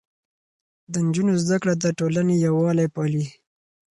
د نجونو زده کړه د ټولنې يووالی پالي.